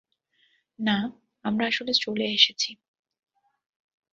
না, আমরা আসলে চলে এসেছি।